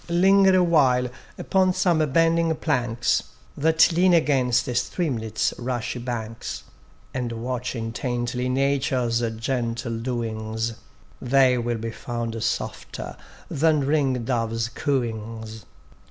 Linger awhile upon some bending planks That lean against a streamlet's rushy banks, And watch intently Nature's gentle doings: They will be found softer than ring dove's cooings.